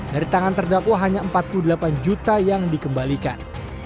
dari tangan terdakwa hanya empat puluh delapan juta yang dikembalikan